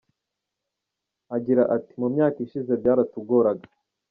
Agira ati “Mu myaka ishize byaratugoraga.